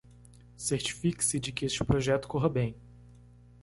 Certifique-se de que este projeto corra bem